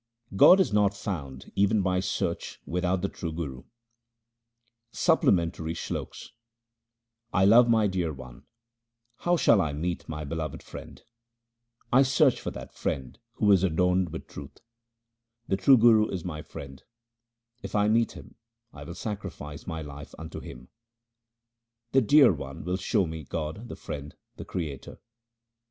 God is not found even by search without the true Guru :— Supplementary Sloks I love my Dear One ; how shall I meet my beloved Friend ? I search for that Friend who is adorned with truth. The true Guru is my friend ; if I meet him I will sacrifice my life unto him. The dear one will show me God the Friend, the Creator.